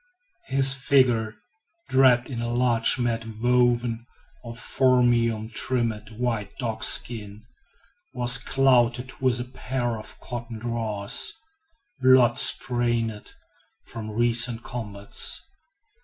His figure, draped in a large mat woven of "phormium" trimmed with dogskins, was clothed with a pair of cotton drawers, blood stained from recent combats.